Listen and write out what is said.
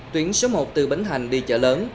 tuyến số một từ bến hành đi chợ lớn